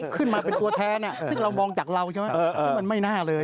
ขึ้นมาเป็นตัวแท้ซึ่งเรามองจากเรามันไม่น่าเลย